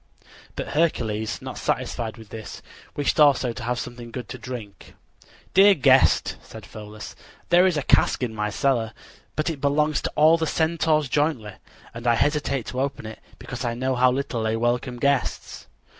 But Hercules, not satisfied with this, wished also to have something good to drink. "Dear guest," said Pholus, "there is a cask in my cellar; but it belongs to all the Centaurs jointly, and I hesitate to open it because I know how little they welcome guests."